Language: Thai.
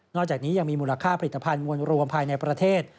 จากนี้ยังมีมูลค่าผลิตภัณฑ์มวลรวมภายในประเทศ